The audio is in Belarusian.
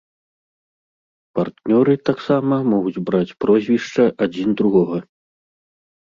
Партнёры таксама могуць браць прозвішча адзін другога.